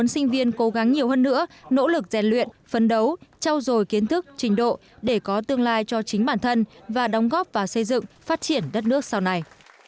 sinh viên cố gắng nhiều hơn nữa nỗ lực rèn luyện phấn đấu trao dồi kiến thức trình độ để có tương lai cho chính bản thân và đóng góp vào xây dựng phát triển đất nước sau này